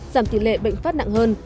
giảm tỷ lệ bệnh phát nặng hơn